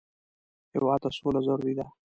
هېواد ته سوله ضروري ده